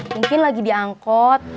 mungkin lagi diangkot